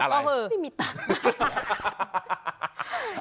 ก็ไม่มีตังค์